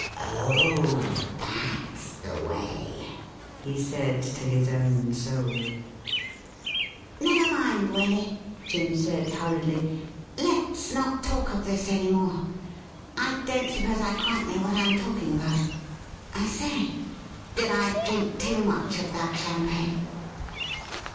' Oh, that's the way,' he said to his own soul. ' Never mind, Waley,' Jim said hurriedly ;' let's not talk of this any more. I don't suppose I quite know what I am talking about. I say, did I drink too much of that champagne